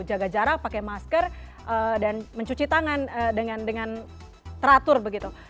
jaga jarak pakai masker dan mencuci tangan dengan teratur begitu